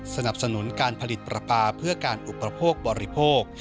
สนับสนุนการผลิตปลาปลาเพื่อการอุปโภคบริโภค